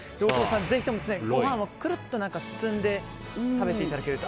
ぜひともご飯をくるっと包んで食べていただけると。